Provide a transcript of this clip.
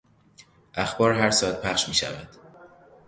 اخبار هر ساعت پخش میشود.